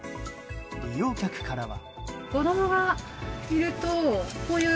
利用客からは。